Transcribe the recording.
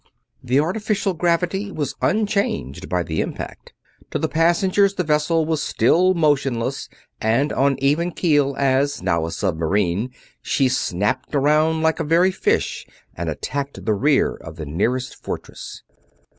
The artificial gravity was unchanged by the impact; to the passengers the vessel was still motionless and on even keel as, now a submarine, she snapped around like a very fish and attacked the rear of the nearest fortress.